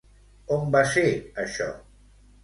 On va ser això?